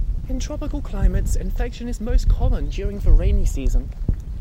In tropical climates, infection is most common during the rainy season.